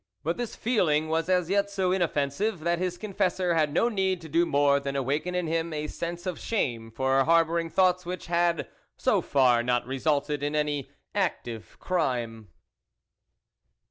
But this feeling was as yet so inoffensive, that his confessor had no need to do more than awaken in him a sense of shame for har bouring thoughts which had, so far, not resulted in any active crime.